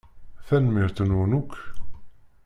Tanemmirt-nwen akk.